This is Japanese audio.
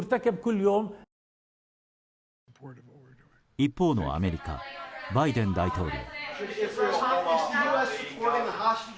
一方のアメリカ、バイデン大統領。